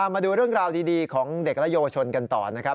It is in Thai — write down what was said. มาดูเรื่องราวดีของเด็กและเยาวชนกันต่อนะครับ